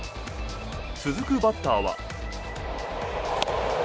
続くバッターは。